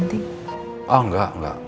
ya ditangani juga gue lagi see